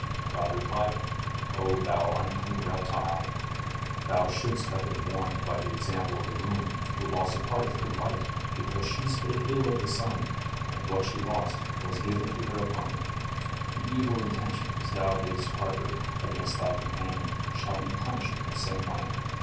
God replied: "O thou unclean reptile, thou shouldst have been warned by the example of the moon, who lost a part of her light, because she spake ill of the sun, and what she lost was given to her opponent. The evil intentions thou didst harbor against thy companion shall be punished in the same way.